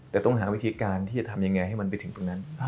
แต่ต้องหาวิธีการที่จะทำยังไงให้มันไปถึงตรงนั้น